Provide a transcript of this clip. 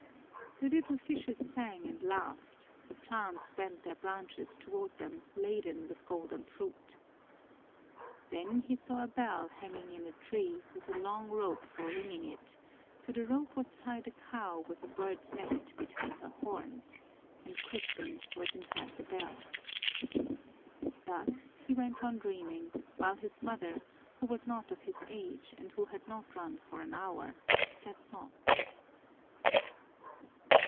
The little fishes sang and laughed, the plants bent their branches toward them laden with golden fruit. Then he saw a bell hanging in a tree with a long rope for ringing it; to the rope was tied a cow with a bird's nest between her horns and Crispin was inside the bell. Thus he went on dreaming, while his mother, who was not of his age and who had not run for an hour, slept not.